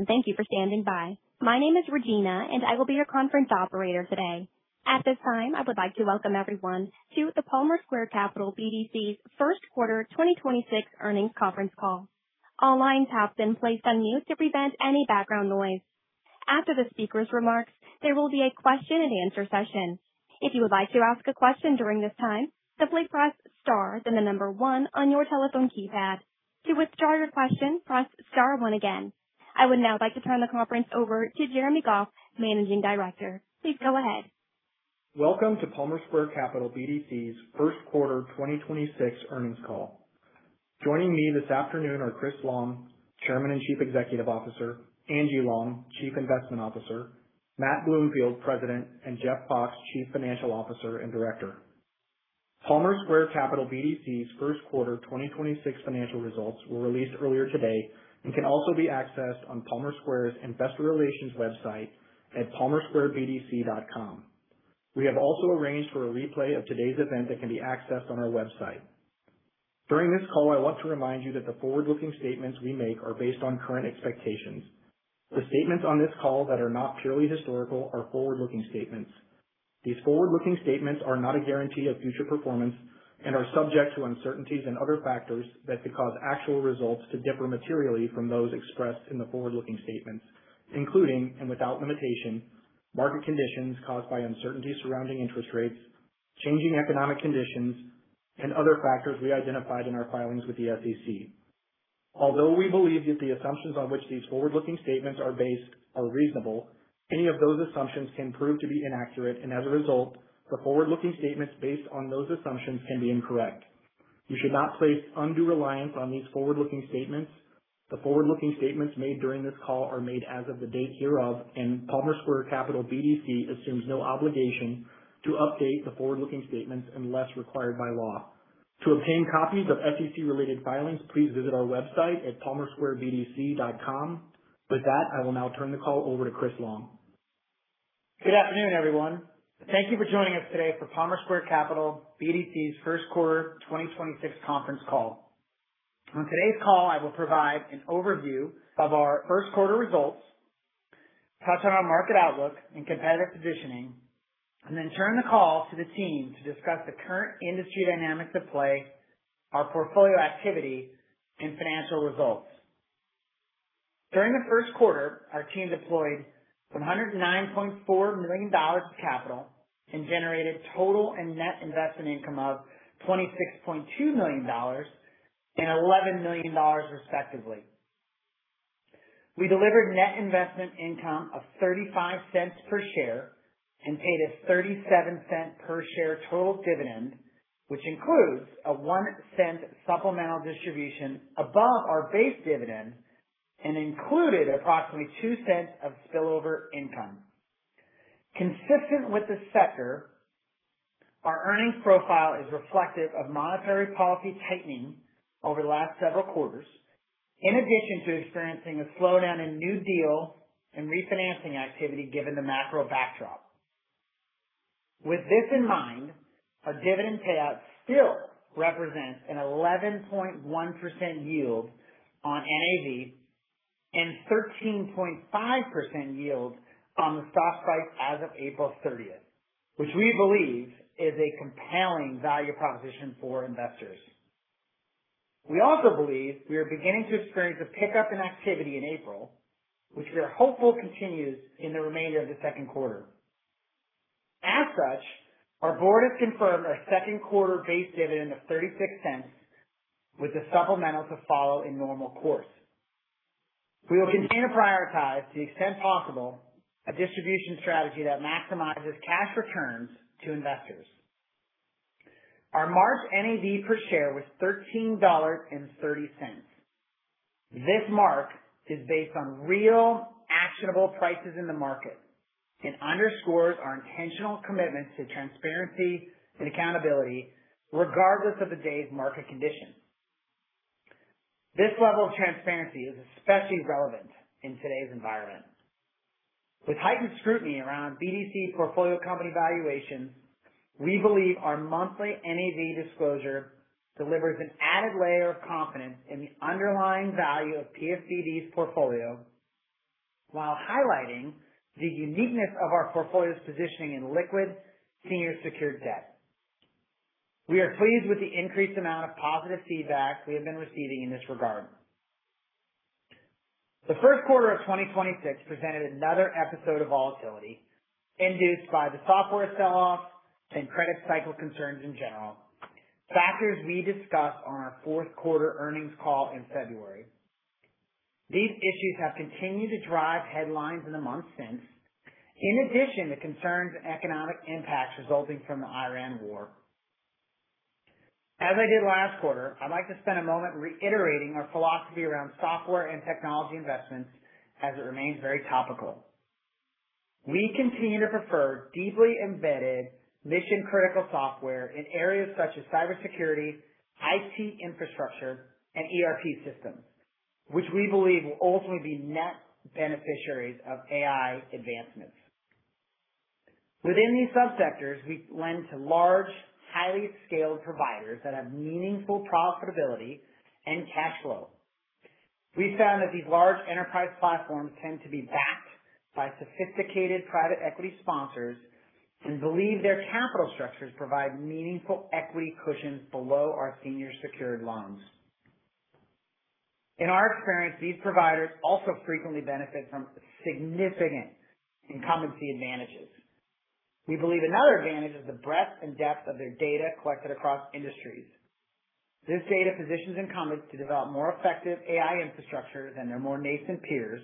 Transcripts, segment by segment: Hello, and thank you for standing by. My name is Regina, and I will be your Conference Operator today. At this time, I would like to welcome everyone to the Palmer Square Capital BDC's first quarter 2026 earnings conference call. All lines have been placed on mute to prevent any background noise. After the speaker's remarks, there will be a question and answer session. If you would like to ask a question during this time, simply press star then 1 on your telephone keypad. To withdraw your question, press star 1 again. I would now like to turn the conference over to Jeremy Goff, Managing Director. Please go ahead. Welcome to Palmer Square Capital BDC's first quarter 2026 earnings call. Joining me this afternoon are Chris Long, Chairman and Chief Executive Officer, Angie Long Chief Investment Officer, Matt Bloomfield, President, and Jeff Fox, Chief Financial Officer and Director. Palmer Square Capital BDC's first quarter 2026 financial results were released earlier today and can also be accessed on Palmer Square's investor relations website at palmersquarebdc.com. We have also arranged for a replay of today's event that can be accessed on our website. During this call, I want to remind you that the forward-looking statements we make are based on current expectations. The statements on this call that are not purely historical are forward-looking statements. These forward-looking statements are not a guarantee of future performance and are subject to uncertainties and other factors that could cause actual results to differ materially from those expressed in the forward-looking statements, including and without limitation, market conditions caused by uncertainty surrounding interest rates, changing economic conditions, and other factors we identified in our filings with the SEC. Although we believe that the assumptions on which these forward-looking statements are based are reasonable, any of those assumptions can prove to be inaccurate. As a result, the forward-looking statements based on those assumptions can be incorrect. You should not place undue reliance on these forward-looking statements. The forward-looking statements made during this call are made as of the date hereof, and Palmer Square Capital BDC assumes no obligation to update the forward-looking statements unless required by law. To obtain copies of SEC-related filings, please visit our website at palmersquarebdc.com. With that, I will now turn the call over to Chris Long. Good afternoon, everyone. Thank you for joining us today for Palmer Square Capital BDC's first quarter 2026 conference call. On today's call, I will provide an overview of our first quarter results, touch on our market outlook and competitive positioning, then turn the call to the team to discuss the current industry dynamics at play, our portfolio activity, and financial results. During the first quarter, our team deployed $109.4 million of capital and generated total and net investment income of $26.2 million and $11 million respectively. We delivered net investment income of $0.35 per share and paid a $0.37 per share total dividend, which includes a $0.01 supplemental distribution above our base dividend and included approximately $0.02 of spillover income. Consistent with the sector, our earnings profile is reflective of monetary policy tightening over the last several quarters, in addition to experiencing a slowdown in new deal and refinancing activity given the macro backdrop. With this in mind, our dividend payout still represents an 11.1% yield on NAV and 13.5% yield on the stock price as of April 30th, which we believe is a compelling value proposition for investors. We also believe we are beginning to experience a pickup in activity in April, which we are hopeful continues in the remainder of the second quarter. As such, our board has confirmed our second quarter base dividend of $0.36 with the supplemental to follow in normal course. We will continue to prioritize, to the extent possible, a distribution strategy that maximizes cash returns to investors. Our March NAV per share was $13.30. This mark is based on real actionable prices in the market and underscores our intentional commitment to transparency and accountability regardless of the day's market conditions. This level of transparency is especially relevant in today's environment. With heightened scrutiny around BDC portfolio company valuations, we believe our monthly NAV disclosure delivers an added layer of confidence in the underlying value of PSBD's portfolio, while highlighting the uniqueness of our portfolio's positioning in liquid senior secured debt. We are pleased with the increased amount of positive feedback we have been receiving in this regard. The first quarter of 2026 presented another episode of volatility induced by the software sell-off and credit cycle concerns in general, factors we discussed on our fourth quarter earnings call in February. These issues have continued to drive headlines in the months since, in addition to concerns and economic impacts resulting from the Iran war. As I did last quarter, I'd like to spend a moment reiterating our philosophy around software and technology investments as it remains very topical. We continue to prefer deeply embedded mission-critical software in areas such as cybersecurity, IT infrastructure, and ERP systems, which we believe will ultimately be net beneficiaries of AI advancements. Within these subsectors, we lend to large, highly scaled providers that have meaningful profitability and cash flow. We found that these large enterprise platforms tend to be backed by sophisticated private equity sponsors and believe their capital structures provide meaningful equity cushions below our senior secured loans. In our experience, these providers also frequently benefit from significant incumbency advantages. We believe another advantage is the breadth and depth of their data collected across industries. This data positions incumbents to develop more effective AI infrastructure than their more nascent peers,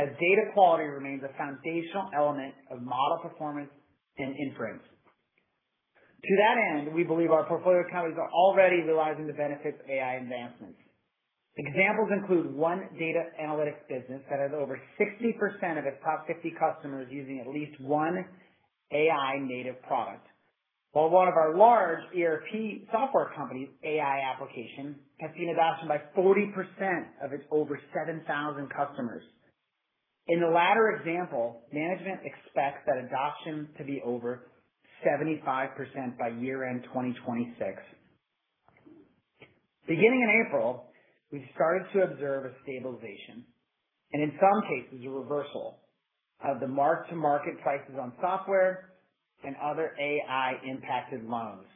as data quality remains a foundational element of model performance and inference. To that end, we believe our portfolio companies are already realizing the benefits of AI advancements. Examples include one data analytics business that has over 60% of its top 50 customers using at least one AI native product. While one of our large ERP software company's AI application has seen adoption by 40% of its over 7,000 customers. In the latter example, management expects that adoption to be over 75% by year-end 2026. Beginning in April, we started to observe a stabilization, and in some cases, a reversal of the mark-to-market prices on software and other AI impacted loans.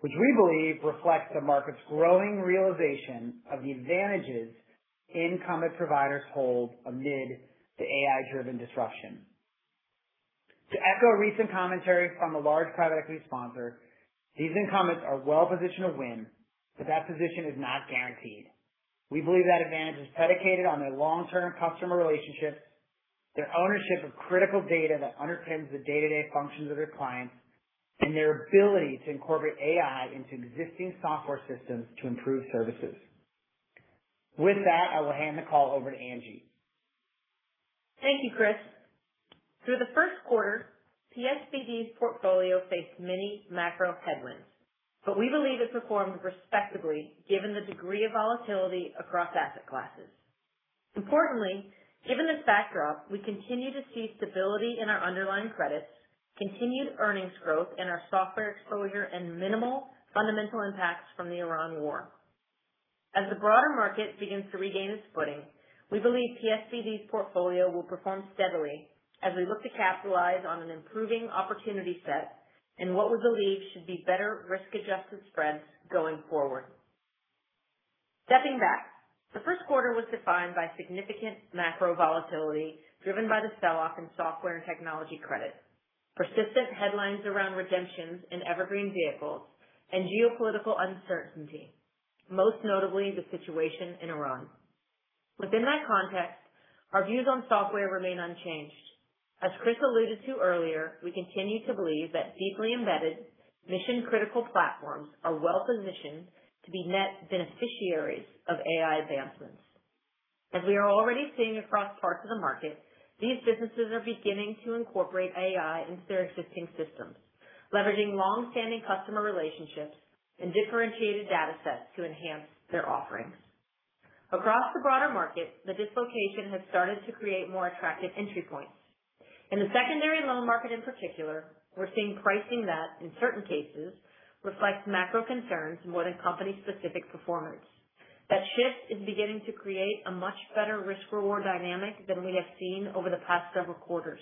Which we believe reflects the market's growing realization of the advantages incumbent providers hold amid the AI driven disruption. To echo recent commentary from a large private equity sponsor, these incumbents are well positioned to win, but that position is not guaranteed. We believe that advantage is predicated on their long-term customer relationships, their ownership of critical data that underpins the day-to-day functions of their clients, and their ability to incorporate AI into existing software systems to improve services. With that, I will hand the call over to Angie. Thank you, Chris. Through the first quarter, PSBD's portfolio faced many macro headwinds. We believe it performed respectably given the degree of volatility across asset classes. Importantly, given this backdrop, we continue to see stability in our underlying credits, continued earnings growth in our software exposure, and minimal fundamental impacts from the Iran war. As the broader market begins to regain its footing, we believe PSBD's portfolio will perform steadily as we look to capitalize on an improving opportunity set and what we believe should be better risk-adjusted spreads going forward. Stepping back, the first quarter was defined by significant macro volatility driven by the sell-off in software and technology credit, persistent headlines around redemptions in evergreen vehicles, and geopolitical uncertainty, most notably the situation in Iran. Within that context, our views on software remain unchanged. As Chris alluded to earlier, we continue to believe that deeply embedded mission critical platforms are well positioned to be net beneficiaries of AI advancements. As we are already seeing across parts of the market, these businesses are beginning to incorporate AI into their existing systems, leveraging long standing customer relationships and differentiated data sets to enhance their offerings. Across the broader market, the dislocation has started to create more attractive entry points. In the secondary loan market in particular, we're seeing pricing that, in certain cases, reflects macro concerns more than company specific performance. That shift is beginning to create a much better risk reward dynamic than we have seen over the past several quarters.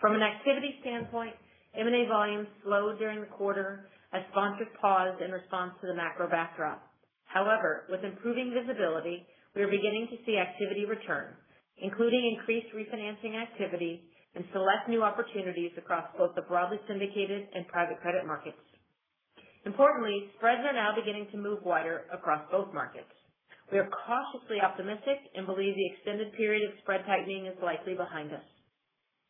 From an activity standpoint, M&A volume slowed during the quarter as sponsors paused in response to the macro backdrop. However, with improving visibility, we are beginning to see activity return, including increased refinancing activity and select new opportunities across both the broadly syndicated and private credit markets. Importantly, spreads are now beginning to move wider across both markets. We are cautiously optimistic and believe the extended period of spread tightening is likely behind us.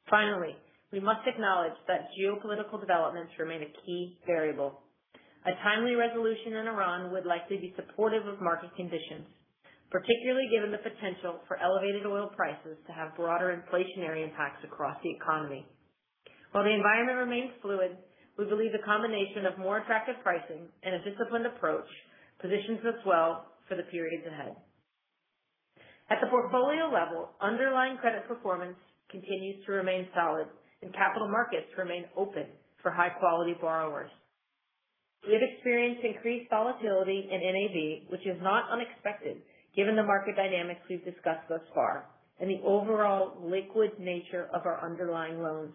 Finally, we must acknowledge that geopolitical developments remain a key variable. A timely resolution in Iran would likely be supportive of market conditions, particularly given the potential for elevated oil prices to have broader inflationary impacts across the economy. While the environment remains fluid, we believe the combination of more attractive pricing and a disciplined approach positions us well for the periods ahead. At the portfolio level, underlying credit performance continues to remain solid and capital markets remain open for high quality borrowers. We have experienced increased volatility in NAV, which is not unexpected given the market dynamics we've discussed thus far and the overall liquid nature of our underlying loans.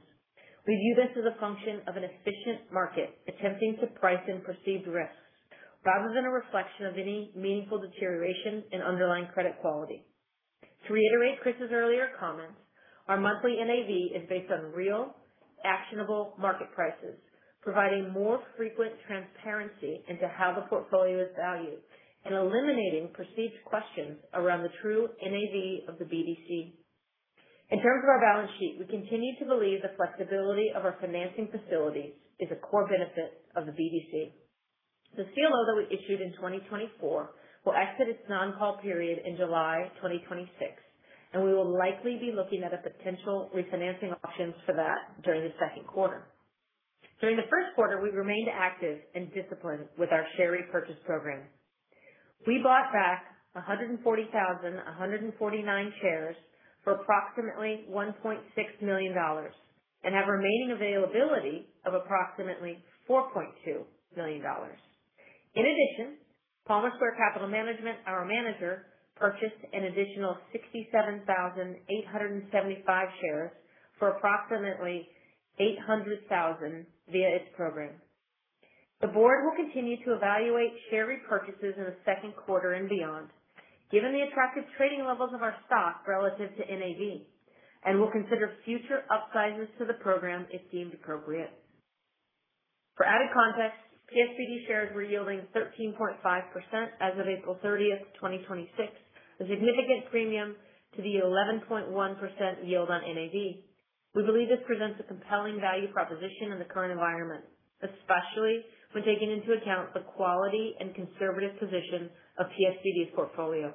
We view this as a function of an efficient market attempting to price in perceived risks rather than a reflection of any meaningful deterioration in underlying credit quality. To reiterate Chris' earlier comments, our monthly NAV is based on real actionable market prices, providing more frequent transparency into how the portfolio is valued and eliminating perceived questions around the true NAV of the BDC. In terms of our balance sheet, we continue to believe the flexibility of our financing facilities is a core benefit of the BDC. The CLO that we issued in 2024 will exit its non-call period in July 2026, and we will likely be looking at potential refinancing options for that during the second quarter. During the first quarter, we remained active and disciplined with our share repurchase program. We bought back 140,149 shares for approximately $1.6 million and have remaining availability of approximately $4.2 million. In addition, Palmer Square Capital Management, our manager, purchased an additional 67,875 shares for approximately $800,000 via its program. The board will continue to evaluate share repurchases in the second quarter and beyond, given the attractive trading levels of our stock relative to NAV, and will consider future upsizes to the program if deemed appropriate. For added context, PSBD shares were yielding 13.5% as of April 30th, 2026, a significant premium to the 11.1% yield on NAV. We believe this presents a compelling value proposition in the current environment, especially when taking into account the quality and conservative position of PSBD's portfolio.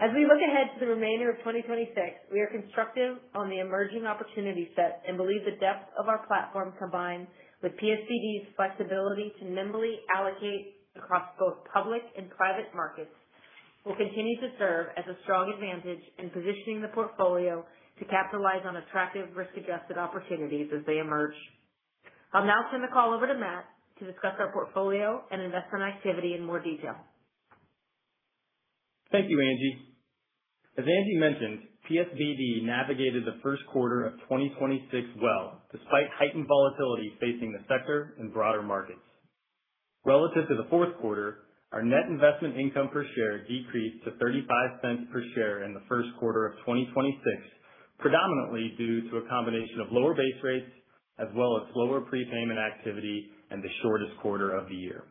As we look ahead to the remainder of 2026, we are constructive on the emerging opportunity set and believe the depth of our platform, combined with PSBD's flexibility to nimbly allocate across both public and private markets, will continue to serve as a strong advantage in positioning the portfolio to capitalize on attractive risk-adjusted opportunities as they emerge. I'll now turn the call over to Matt to discuss our portfolio and investment activity in more detail. Thank you, Angie. As Angie mentioned, PSBD navigated the first quarter of 2026 well, despite heightened volatility facing the sector and broader markets. Relative to the fourth quarter, our net investment income per share decreased to $0.35 per share in the first quarter of 2026, predominantly due to a combination of lower base rates as well as lower prepayment activity and the shortest quarter of the year.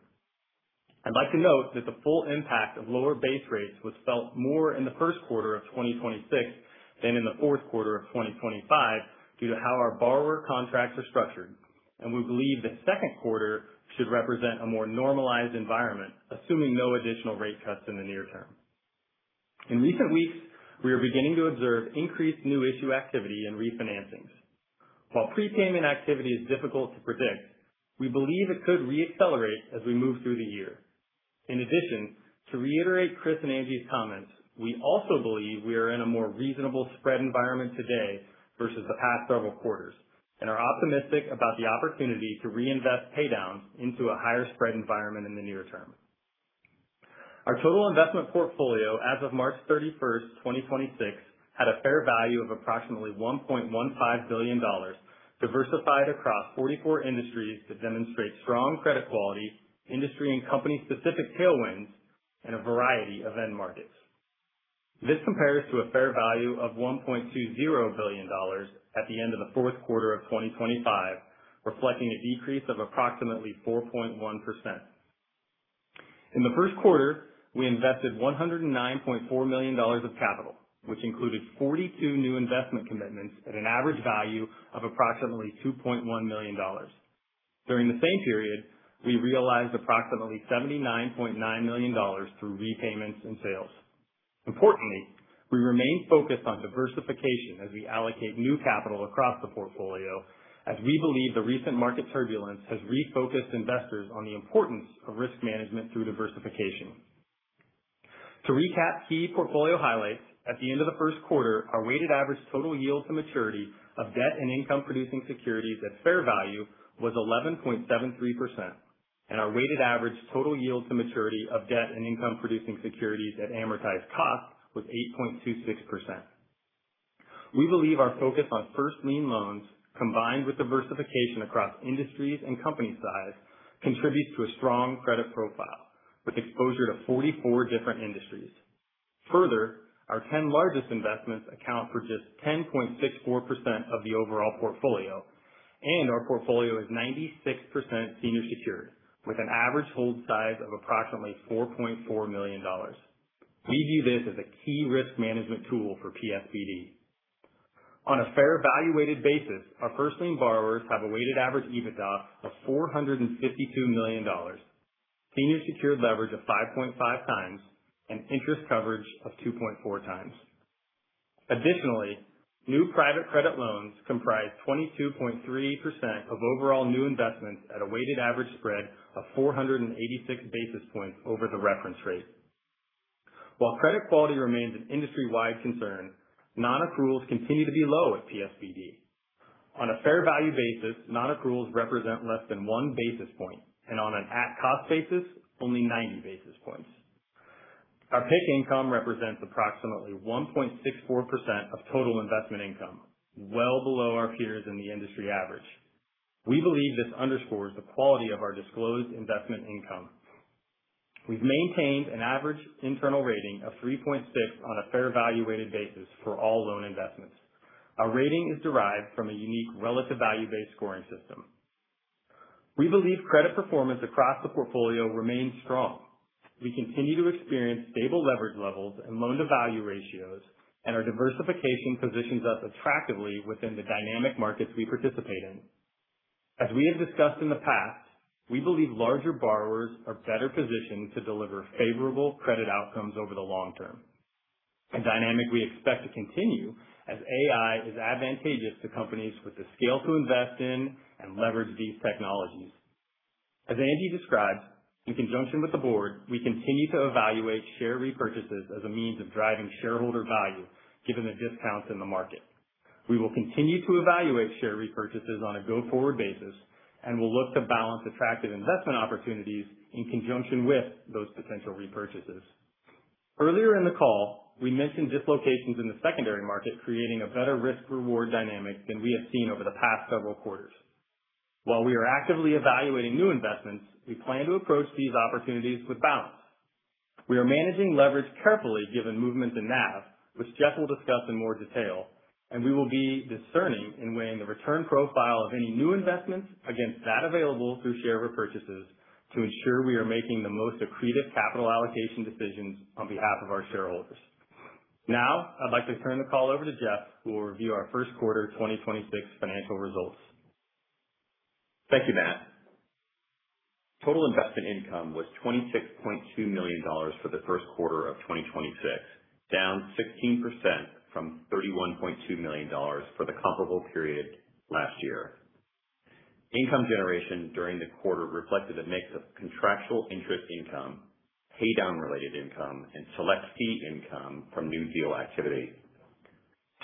I'd like to note that the full impact of lower base rates was felt more in the first quarter of 2026 than in the fourth quarter of 2025 due to how our borrower contracts are structured, and we believe the second quarter should represent a more normalized environment, assuming no additional rate cuts in the near term. In recent weeks, we are beginning to observe increased new issue activity and refinancings. While prepayment activity is difficult to predict, we believe it could re-accelerate as we move through the year. In addition, to reiterate Chris and Angie's comments, we also believe we are in a more reasonable spread environment today versus the past several quarters and are optimistic about the opportunity to reinvest paydowns into a higher spread environment in the near term. Our total investment portfolio as of March 31st, 2026, had a fair value of approximately $1.15 billion, diversified across 44 industries that demonstrate strong credit quality, industry and company specific tailwinds, and a variety of end markets. This compares to a fair value of $1.20 billion at the end of the fourth quarter of 2025, reflecting a decrease of approximately 4.1%. In the first quarter, we invested $109.4 million of capital, which included 42 new investment commitments at an average value of approximately $2.1 million. During the same period, we realized approximately $79.9 million through repayments and sales. Importantly, we remain focused on diversification as we allocate new capital across the portfolio, as we believe the recent market turbulence has refocused investors on the importance of risk management through diversification. To recap key portfolio highlights, at the end of the first quarter, our weighted average total yield to maturity of debt and income-producing securities at fair value was 11.73%, and our weighted average total yield to maturity of debt and income-producing securities at amortized cost was 8.26%. We believe our focus on first lien loans, combined with diversification across industries and company size, contributes to a strong credit profile with exposure to 44 different industries. Further, our 10 largest investments account for just 10.64% of the overall portfolio, and our portfolio is 96% senior secured, with an average hold size of approximately $4.4 million. We view this as a key risk management tool for PSBD. On a fair value weighted basis, our first lien borrowers have a weighted average EBITDA of $452 million, senior secured leverage of 5.5 times, and interest coverage of 2.4 times. Additionally, new private credit loans comprise 22.3% of overall new investments at a weighted average spread of 486 basis points over the reference rate. While credit quality remains an industry-wide concern, non-accruals continue to be low at PSBD. On a fair value basis, non-accruals represent less than one basis point, and on an at-cost basis, only 90 basis points. Our PIK income represents approximately 1.64% of total investment income, well below our peers in the industry average. We believe this underscores the quality of our disclosed investment income. We've maintained an average internal rating of 3.6 on a fair value weighted basis for all loan investments. Our rating is derived from a unique relative value-based scoring system. We believe credit performance across the portfolio remains strong. We continue to experience stable leverage levels and loan-to-value ratios. Our diversification positions us attractively within the dynamic markets we participate in. As we have discussed in the past, we believe larger borrowers are better positioned to deliver favorable credit outcomes over the long term. A dynamic we expect to continue as AI is advantageous to companies with the scale to invest in and leverage these technologies. As Angie described, in conjunction with the board, we continue to evaluate share repurchases as a means of driving shareholder value, given the discounts in the market. We will continue to evaluate share repurchases on a go-forward basis. We'll look to balance attractive investment opportunities in conjunction with those potential repurchases. Earlier in the call, we mentioned dislocations in the secondary market creating a better risk-reward dynamic than we have seen over the past several quarters. While we are actively evaluating new investments, we plan to approach these opportunities with balance. We are managing leverage carefully given movements in NAV, which Jeff will discuss in more detail. We will be discerning in weighing the return profile of any new investments against that available through share repurchases to ensure we are making the most accretive capital allocation decisions on behalf of our shareholders. I'd like to turn the call over to Jeff, who will review our first quarter 2026 financial results. Thank you, Matt. Total investment income was $26.2 million for the first quarter of 2026, down 16% from $31.2 million for the comparable period last year. Income generation during the quarter reflected a mix of contractual interest income, paydown related income, and select fee income from new deal activity.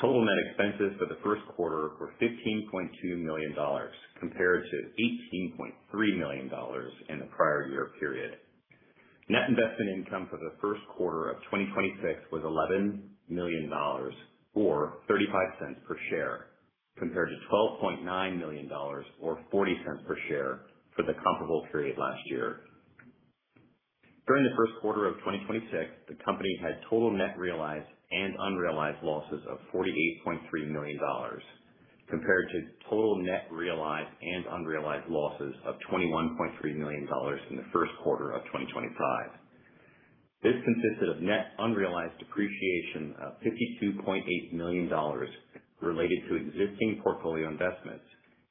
Total net expenses for the first quarter were $15.2 million compared to $18.3 million in the prior year period. Net investment income for the first quarter of 2026 was $11 million, or $0.35 per share, compared to $12.9 million or $0.40 per share for the comparable period last year. During the first quarter of 2026, the company had total net realized and unrealized losses of $48.3 million, compared to total net realized and unrealized losses of $21.3 million in the first quarter of 2025. This consisted of net unrealized depreciation of $52.8 million related to existing portfolio investments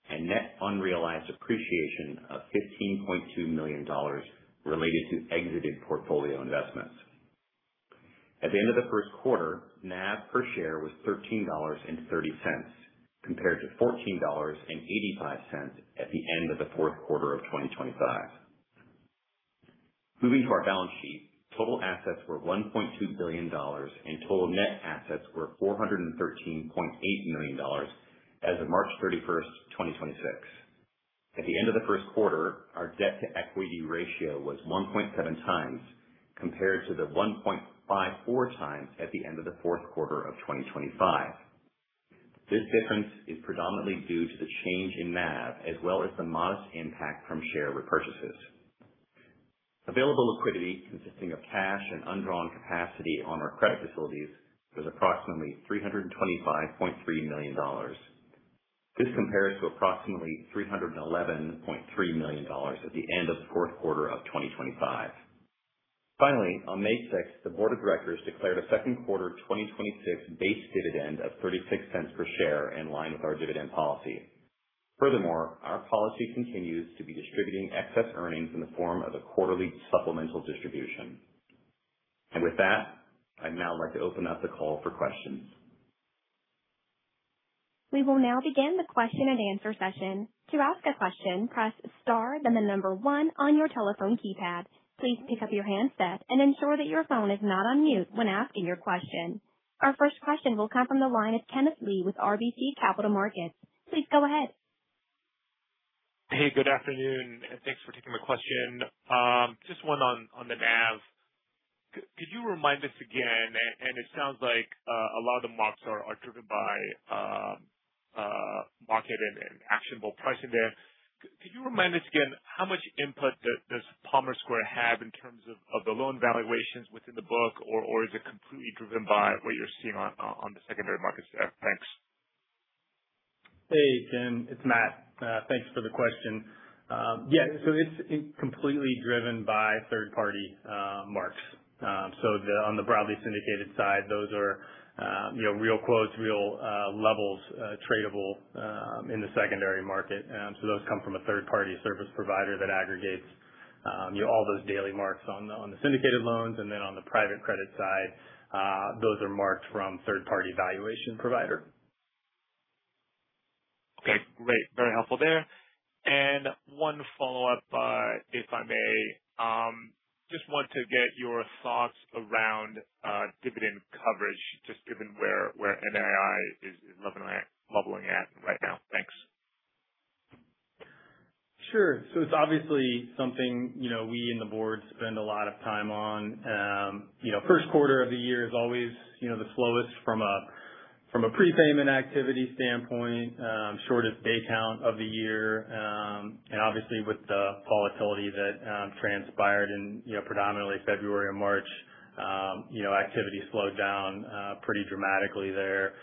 and net unrealized appreciation of $15.2 million related to exited portfolio investments. At the end of the first quarter, NAV per share was $13.30, compared to $14.85 at the end of the fourth quarter of 2025. Moving to our balance sheet, total assets were $1.2 billion, and total net assets were $413.8 million as of March 31st, 2026. At the end of the first quarter, our debt-to-equity ratio was 1.7x, compared to the 1.54x at the end of the fourth quarter of 2025. This difference is predominantly due to the change in NAV as well as the modest impact from share repurchases. Available liquidity consisting of cash and undrawn capacity on our credit facilities was approximately $325.3 million. This compares to approximately $311.3 million at the end of the fourth quarter of 2025. Finally, on May 6th, the board of directors declared a second quarter 2026 base dividend of $0.36 per share in line with our dividend policy. Furthermore, our policy continues to be distributing excess earnings in the form of a quarterly supplemental distribution. With that, I'd now like to open up the call for questions. We will now begin the question and answer session. To ask a question, press star then the number 1 on your telephone keypad. Please pick up your handset and ensure that your phone is not on mute when asking your question. Our first question will come from the line of Kenneth Lee with RBC Capital Markets. Please go ahead. Hey, good afternoon, thanks for taking my question. Just one on the NAV. Could you remind us again, and it sounds like a lot of the marks are driven by market and actionable pricing there. Could you remind us again how much input does Palmer Square have in terms of the loan valuations within the book, or is it completely driven by what you're seeing on the secondary markets there? Thanks. Hey, Ken. It's Matt. Thanks for the question. Yeah. It's completely driven by third-party marks. On the broadly syndicated side, those are real quotes, real levels tradable in the secondary market. Those come from a third-party service provider that aggregates all those daily marks on the syndicated loans. Then on the private credit side, those are marks from third-party valuation provider. Okay, great. Very helpful there. One follow-up, if I may. Just want to get your thoughts around dividend coverage, just given where NII is leveling at right now. Thanks. Sure. It's obviously something we and the board spend a lot of time on. First quarter of the year is always the slowest from a prepayment activity standpoint, shortest day count of the year. Obviously with the volatility that transpired in predominantly February and March, activity slowed down pretty dramatically there.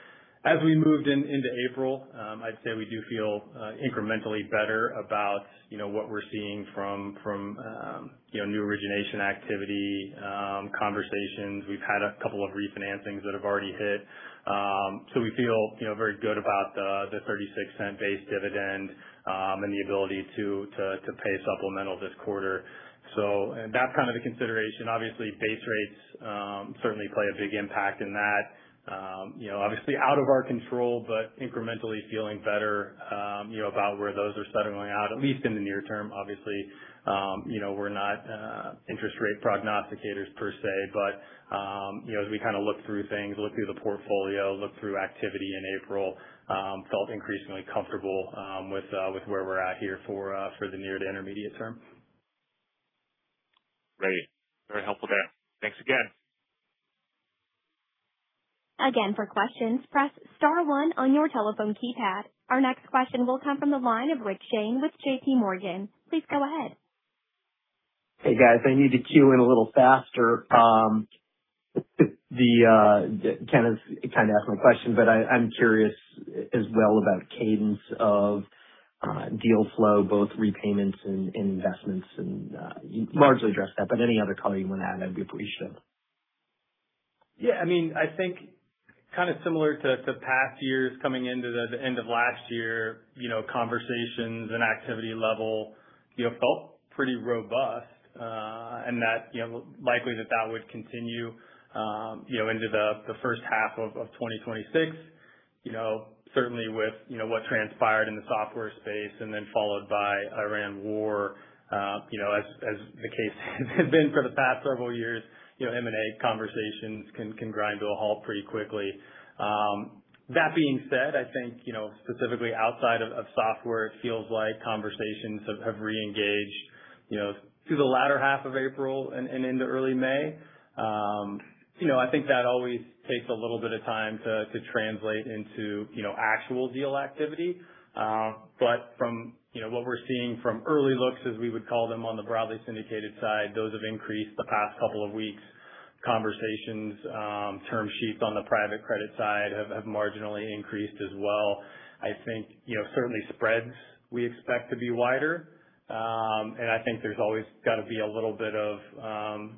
As we moved into April, I'd say we do feel incrementally better about what we're seeing from new origination activity conversations. We've had a couple of refinancings that have already hit. We feel very good about the $0.36 base dividend, and the ability to pay supplemental this quarter. That's kind of the consideration. Obviously, base rates certainly play a big impact in that. Obviously out of our control, but incrementally feeling better about where those are settling out, at least in the near term. Obviously, we're not interest rate prognosticators per se, as we kind of look through things, look through the portfolio, look through activity in April, felt increasingly comfortable with where we're at here for the near to intermediate term. Great. Very helpful there. Thanks again. Again, for questions, press star one on your telephone keypad. Our next question will come from the line of Richard Shane with JPMorgan. Please go ahead. Hey, guys. I need to queue in a little faster. Kenneth kind of asked my question, but I'm curious as well about cadence of deal flow, both repayments and investments, and you largely addressed that. Any other color you want to add, I'd be appreciative. Yeah, I think kind of similar to past years coming into the end of last year, conversations and activity level felt pretty robust. That likely that would continue into the first half of 2026. Certainly with what transpired in the software space and then followed by Iran war, as the case has been for the past several years, M&A conversations can grind to a halt pretty quickly. That being said, I think specifically outside of software, it feels like conversations have re-engaged through the latter half of April and into early May. I think that always takes a little bit of time to translate into actual deal activity. From what we're seeing from early looks, as we would call them on the broadly syndicated side, those have increased the past couple of weeks. Conversations, term sheets on the private credit side have marginally increased as well. I think certainly spreads we expect to be wider. I think there's always got to be a little bit of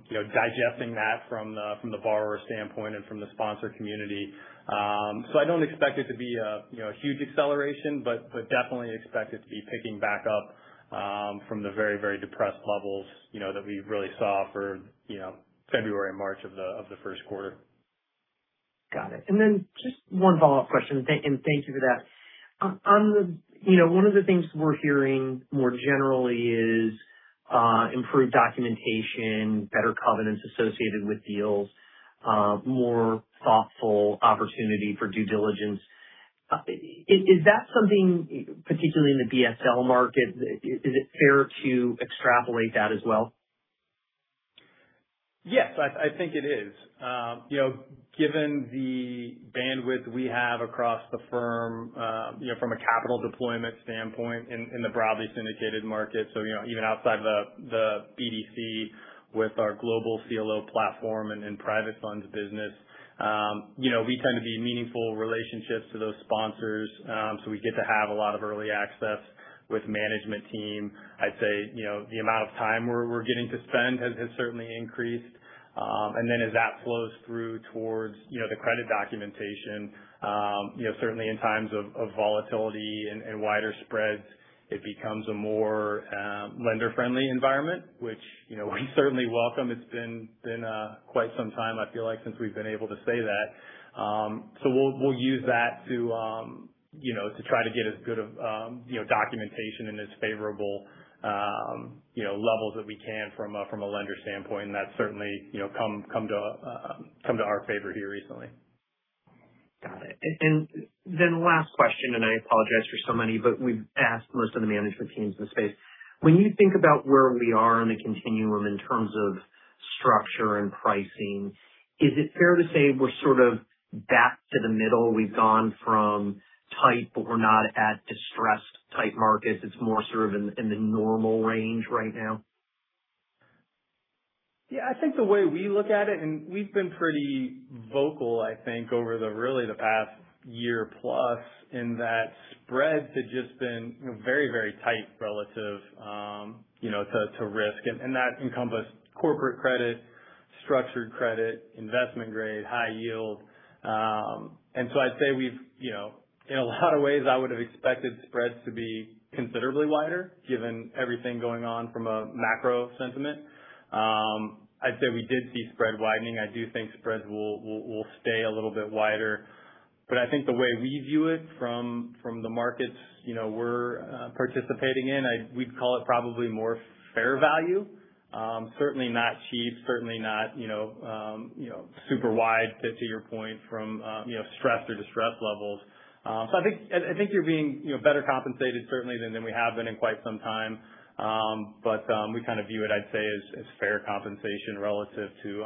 digesting that from the borrower standpoint and from the sponsor community. I don't expect it to be a huge acceleration, but definitely expect it to be picking back up from the very, very depressed levels that we really saw for February and March of the first quarter. Got it. Just one follow-up question, and thank you for that. One of the things we're hearing more generally is improved documentation, better covenants associated with deals, more thoughtful opportunity for due diligence. Is that something particularly in the BSL market, is it fair to extrapolate that as well? Yes, I think it is. Given the bandwidth we have across the firm from a capital deployment standpoint in the broadly syndicated market, even outside the BDC with our global CLO platform and private funds business. We tend to be in meaningful relationships to those sponsors, so we get to have a lot of early access with management team. I'd say, the amount of time we're getting to spend has certainly increased. As that flows through towards the credit documentation, certainly in times of volatility and wider spreads, it becomes a more lender-friendly environment, which we certainly welcome. It's been quite some time, I feel like, since we've been able to say that. We'll use that to try to get as good of documentation and as favorable levels that we can from a lender standpoint. That's certainly come to our favor here recently. Got it. Last question, and I apologize for so many, but we've asked most of the management teams in the space. When you think about where we are in the continuum in terms of structure and pricing, is it fair to say we're sort of back to the middle? We've gone from tight, but we're not at distressed-type markets. It's more sort of in the normal range right now. Yeah. I think the way we look at it, and we've been pretty vocal, I think, over really the past year plus, in that spreads had just been very, very tight relative to risk. That encompassed corporate credit, structured credit, investment grade, high yield. I'd say in a lot of ways, I would have expected spreads to be considerably wider given everything going on from a macro sentiment. I'd say we did see spread widening. I do think spreads will stay a little bit wider. I think the way we view it from the markets we're participating in, we'd call it probably more fair value. Certainly not cheap, certainly not super wide to your point from stress or distressed levels. I think you're being better compensated, certainly, than we have been in quite some time. We kind of view it, I'd say, as fair compensation relative to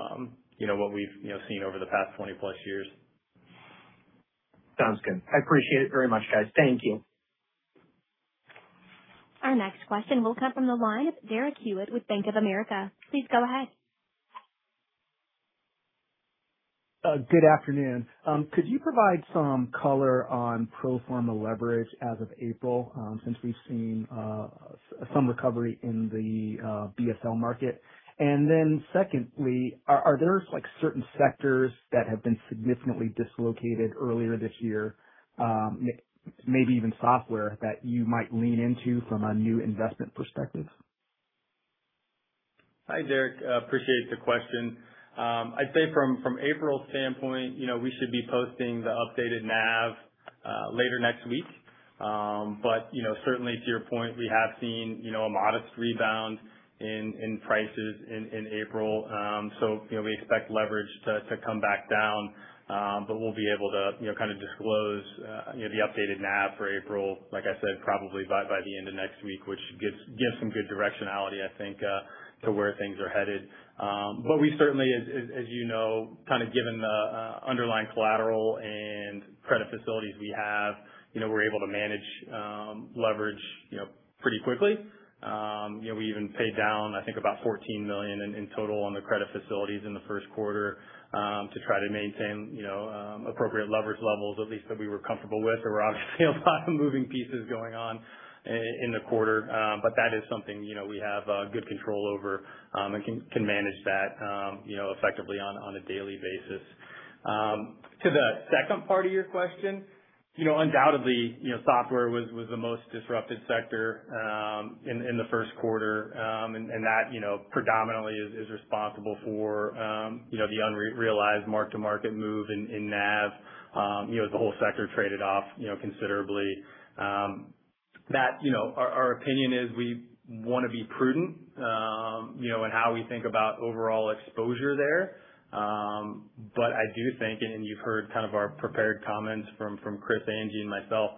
what we've seen over the past 20 plus years. Sounds good. I appreciate it very much, guys. Thank you. Our next question will come from the line of Derek Hewett with Bank of America. Please go ahead. Good afternoon. Could you provide some color on pro forma leverage as of April, since we've seen some recovery in the BSL market? Secondly, are there certain sectors that have been significantly dislocated earlier this year, maybe even software, that you might lean into from a new investment perspective? Hi, Derek. Appreciate the question. I'd say from April standpoint, we should be posting the updated NAV later next week. Certainly to your point, we have seen a modest rebound in prices in April. We expect leverage to come back down, but we'll be able to kind of disclose the updated NAV for April, like I said, probably by the end of next week, which gives some good directionality, I think, to where things are headed. We certainly, as you know, kind of given the underlying collateral and credit facilities we have, we're able to manage leverage pretty quickly. We even paid down, I think, about $14 million in total on the credit facilities in the first quarter to try to maintain appropriate leverage levels at least that we were comfortable with. There were obviously a lot of moving pieces going on in the quarter, that is something we have good control over and can manage that effectively on a daily basis. To the second part of your question, undoubtedly, software was the most disrupted sector in the first quarter, that predominantly is responsible for the unrealized mark-to-market move in NAV. The whole sector traded off considerably. Our opinion is we want to be prudent in how we think about overall exposure there. I do think, and you've heard kind of our prepared comments from Chris, Angie, and myself,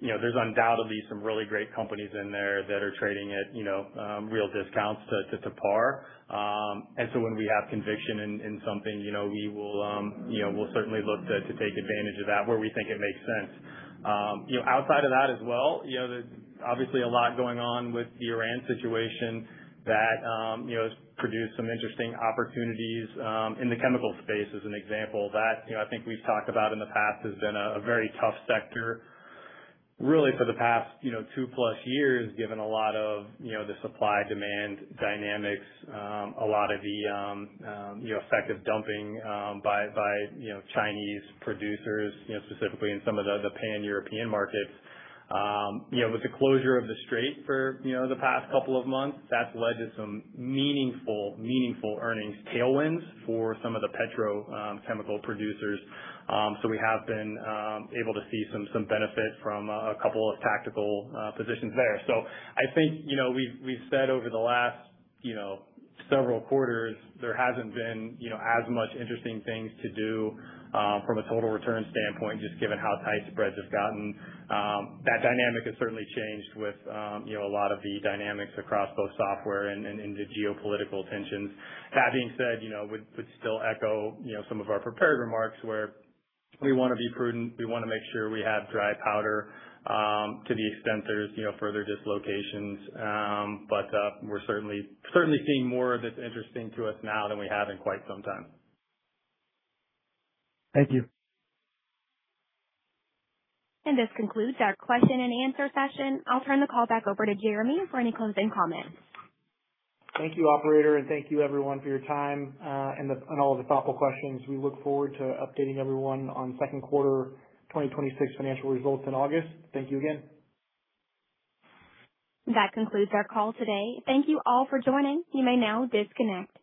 there's undoubtedly some really great companies in there that are trading at real discounts to par. When we have conviction in something, we'll certainly look to take advantage of that where we think it makes sense. Outside of that as well, there's obviously a lot going on with the Iran situation that has produced some interesting opportunities in the chemical space as an example. That, I think we've talked about in the past, has been a very tough sector really for the past two-plus years, given a lot of the supply-demand dynamics, a lot of the effect of dumping by Chinese producers, specifically in some of the pan-European markets. With the closure of the strait for the past couple of months, that's led to some meaningful earnings tailwinds for some of the petrochemical producers. I think we've said over the last several quarters, there hasn't been as much interesting things to do from a total return standpoint, just given how tight spreads have gotten. That dynamic has certainly changed with a lot of the dynamics across both software and the geopolitical tensions. That being said, would still echo some of our prepared remarks where we want to be prudent. We want to make sure we have dry powder to the extent there's further dislocations. We're certainly seeing more of it's interesting to us now than we have in quite some time. Thank you. This concludes our question and answer session. I'll turn the call back over to Jeremy for any closing comments. Thank you, operator, and thank you, everyone, for your time and all of the thoughtful questions. We look forward to updating everyone on second quarter 2026 financial results in August. Thank you again. That concludes our call today. Thank you all for joining. You may now disconnect.